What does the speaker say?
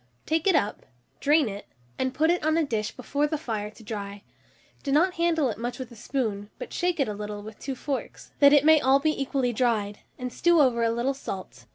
Take it up, drain it, and put it on a dish before the fire to dry: do not handle it much with a spoon, but shake it about a little with two forks, that it may all be equally dried, and strew over a little salt.